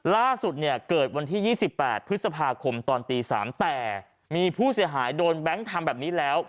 ล่าสุดเนี่ยเกิดวันที่๒๘พฤษภาคมตอนตี๓แต่มีผู้เสียหายโดนแบงค์ทำแบบนี้แล้ว